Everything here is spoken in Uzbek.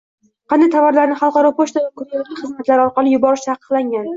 Qanday tovarlarni xalqaro pochta va kurerlik jo’natmalari orqali yuborish taqiqlangan?